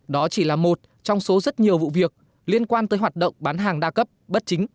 đó chỉ là một trong số rất nhiều vụ việc liên quan tới hoạt động bán hàng đa cấp bất chính